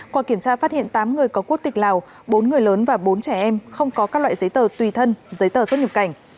qua kiểm tra phát hiện tám người có quốc tịch lào bốn người lớn và bốn trẻ em không có các loại giấy tờ tùy thân giấy tờ xuất nhập cảnh